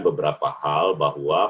beberapa hal bahwa